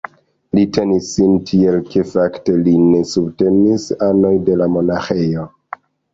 Li tenis sin tiel ke fakte lin subtenis anoj de la monaĥejo.